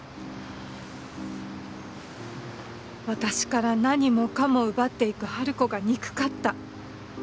私から何もかも奪っていく春子が憎かった。